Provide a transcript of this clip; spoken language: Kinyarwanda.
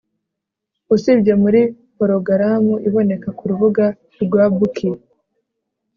Usibye muri porogaramu iboneka kurubuga rwa bookie